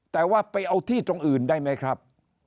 แต่ว่าไปเอาที่ตรงอื่นได้ไหมครับ